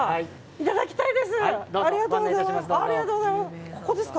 いただきたいです！